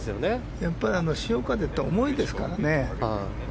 やっぱり潮風って思いですからね。